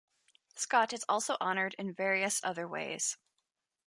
Scott is also honored in various other ways.